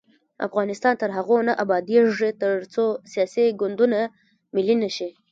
افغانستان تر هغو نه ابادیږي، ترڅو سیاسي ګوندونه ملي نشي.